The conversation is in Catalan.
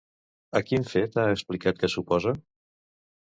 A quin fet ha explicat que s'oposa?